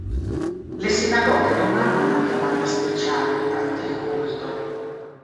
Le sinagoghe non hanno una chiamata speciale durante il culto.